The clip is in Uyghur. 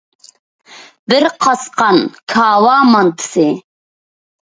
بىر قاسقان كاۋا مانتىسى.